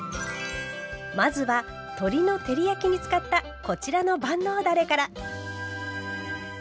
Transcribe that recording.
まずは鶏の照り焼きに使ったこちらの万能だれから。